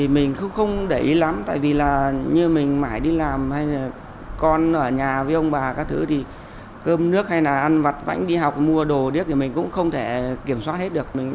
mình không để ý lắm tại vì như mình mãi đi làm hay là con ở nhà với ông bà các thứ thì cơm nước hay là ăn vặt vãnh đi học mua đồ điếc thì mình cũng không thể kiểm soát hết được